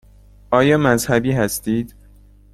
آیا مذهبی هستید؟